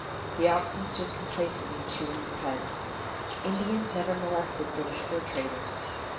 The oxen stood complacently chewing the cud. Indians never molested British fur traders.